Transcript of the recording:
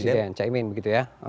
presiden caimin begitu ya